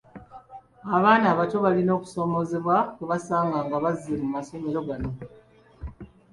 Abaana abato balina okusoomoozebwa kwe basanga nga bazze mu masomero gano.